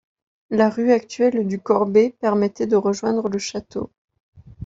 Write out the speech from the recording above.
La rue actuelle du Corbet permettait de rejoindre le château.